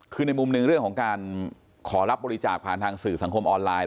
คือในมุมหนึ่งเรื่องของการขอรับบริจาคผ่านทางสื่อสังคมออนไลน์